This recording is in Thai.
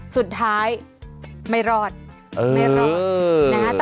สุดท้ายไม่รอดไม่รอดนะฮะ